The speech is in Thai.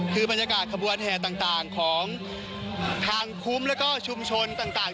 คือบรรยากาศขบวนแห่ต่างของทางคุ้มแล้วก็ชุมชนต่าง